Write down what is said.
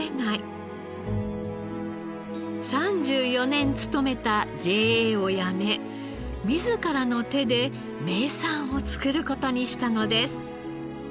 ３４年勤めたＪＡを辞め自らの手で名産を作る事にしたのです。